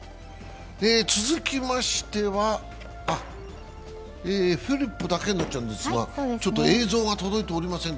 続きましては、フリップだけになっちゃうんですが、映像が届いておりません。